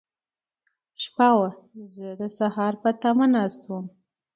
شپه وه، زه د سهار په تمه ناست وم.